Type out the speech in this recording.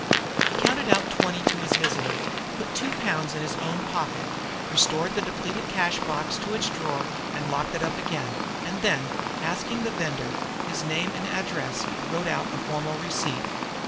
He counted out twenty to his visitor, put two pounds in his own pocket, restored the depleted cashbox to its drawer and locked it up again, and then, asking the vendor his name and address, wrote out a formal receipt.